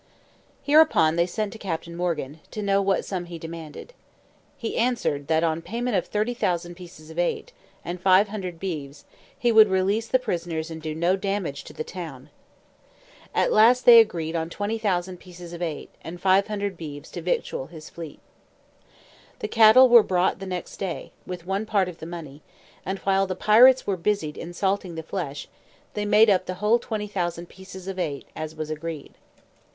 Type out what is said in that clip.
Hereupon, they sent to Captain Morgan, to know what sum he demanded. He answered, that on payment of 30,000 pieces of eight, and five hundred beeves, he would release the prisoners and do no damage to the town. At last they agreed on 20,000 pieces of eight, and five hundred beeves to victual his fleet. The cattle were brought the next day, with one part of the money; and, while the pirates were busied in salting the flesh, they made up the whole 20,000 pieces of eight, as was agreed.